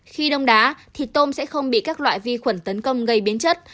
khi đông đá thì tôm sẽ không bị các loại vi khuẩn tấn công gây biến chất